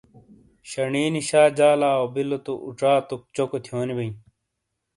شنی نی شا جالاؤبیلو تو اُچاتوک چوکو تھیونی بئیں۔